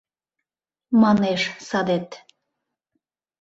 — манеш садет